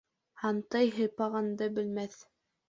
Һантый һыйпағанды белмәҫ.